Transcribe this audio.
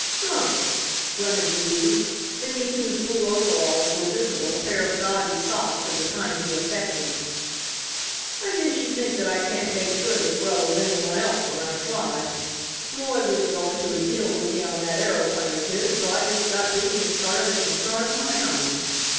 "Huh," grunted the youth, beneath whose blue overalls were visible a pair of gaudy socks of the kind he affected, "I guess you think that I can't make good as well as any one else when I try. Roy wouldn't go into a deal with me on that aeroplane of his, so I just got busy and started a concern of my own."